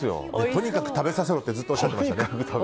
とにかく食べさせろってずっとおっしゃってましたね。